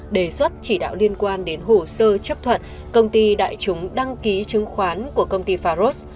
đề xuất chỉ đạo liên quan đến hồ sơ chấp thuận công ty đại chúng đăng ký chứng khoán của công ty faros